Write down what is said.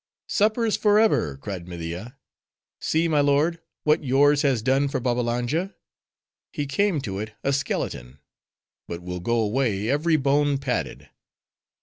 "Suppers forever!" cried Media. "See, my lord, what yours has done for Babbalanja. He came to it a skeleton; but will go away, every bone padded!"